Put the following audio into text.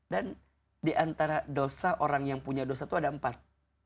dan diantara dosa orang yang punya dosa tuh ada empat